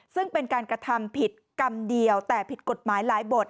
ซึ่งเป็นการกระทำผิดกรรมเดียวแต่ผิดกฎหมายหลายบท